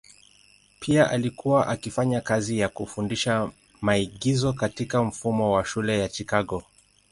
Pia alikuwa akifanya kazi ya kufundisha maigizo katika mfumo wa shule ya Chicago.